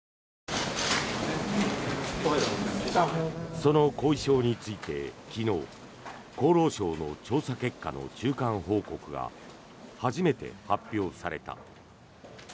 その後遺症について昨日厚労省の調査結果の中間報告が初めて発表された。